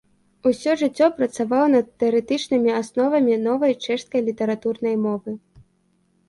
Усё жыццё працаваў над тэарэтычнымі асновамі новай чэшскай літаратурнай мовы.